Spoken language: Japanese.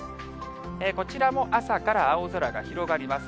こちらも朝から青空が広がります。